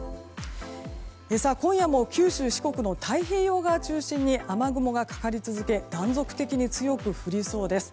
今夜も九州・四国の太平洋側を中心に雨雲がかかり続け断続的に強く降りそうです。